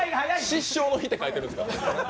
失笑の日って書いてあるんですか？